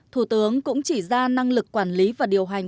thủ tướng cũng chỉ ra năng lực quản lý và điều hành